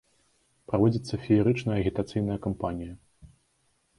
Праводзіцца феерычная агітацыйная кампанія.